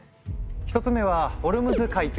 １つ目はホルムズ海峡。